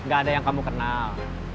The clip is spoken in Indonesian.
gak ada yang kamu kenal